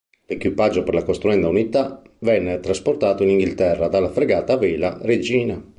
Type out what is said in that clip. L'equipaggio per la costruenda unità venne trasportato in Inghilterra dalla fregata a vela "Regina".